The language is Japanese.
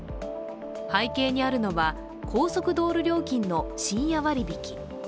背景にあるのは、高速道路料金の深夜割り引き。